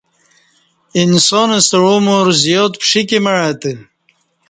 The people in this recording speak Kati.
انسان ستہ عمر زیات پشیک مع ا تہ